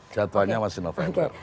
jadwalnya masih november